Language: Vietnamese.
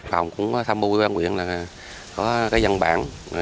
họ cũng tham mưu với nguyện là có dân bạn